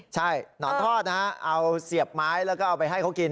ใช่หนอนทอดนะฮะเอาเสียบไม้แล้วก็เอาไปให้เขากิน